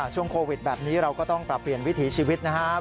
ช่วงโควิดแบบนี้เราก็ต้องปรับเปลี่ยนวิถีชีวิตนะครับ